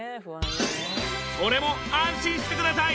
それも安心してください！